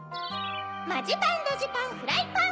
マジパンドジパンフライパン。